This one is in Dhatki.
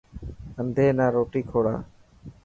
انڌي نا روٽي کوڙا.